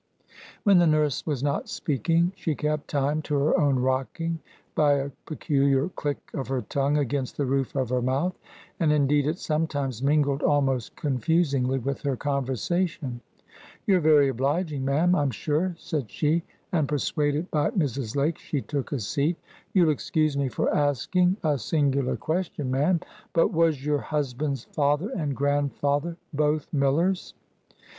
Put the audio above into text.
When the nurse was not speaking, she kept time to her own rocking by a peculiar click of her tongue against the roof of her mouth; and indeed it sometimes mingled, almost confusingly, with her conversation. "You're very obliging, ma'am, I'm sure," said she, and, persuaded by Mrs. Lake, she took a seat. "You'll excuse me for asking a singular question, ma'am, but was your husband's father and grandfather both millers?"